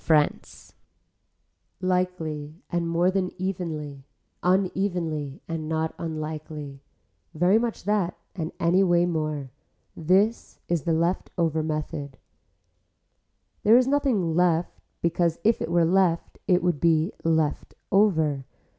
FRANCE Likely and more than evenly, unevenly and not unlikely, very much that and anyway more, this is the left over method. There is nothing left because if it were left it would be left over.